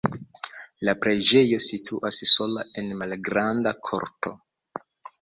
La preĝejo situas sola en malgranda korto.